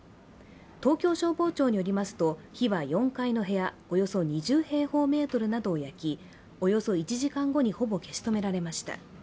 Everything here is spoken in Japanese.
東京消防庁によりますと、火は４階の部屋、およそ２０平方メートルなどを焼きおよそ１時間後に、ほぼ消し止められました。